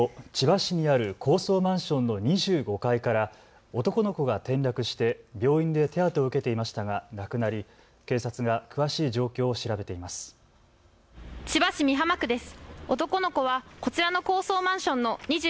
きょう午後、千葉市にある高層マンションの２５階から男の子が転落して病院で手当てを受けていましたが亡くなり、警察が詳しい状況を調べています。